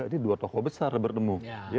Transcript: ini dua tokoh besar bertemu